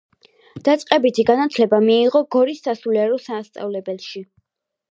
დაწყებითი განათლება მიიღო გორის სასულიერო სასწავლებელში.